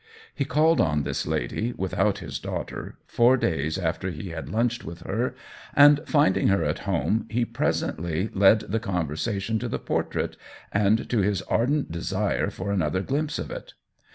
He called on this lady, without his daughter, four days after he had lunched with her, and finding her at home, he presently led the conversation to the portrait and to his ardent desire for another glimpse of it.